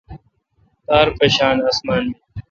تار مشان اَاسمان می۔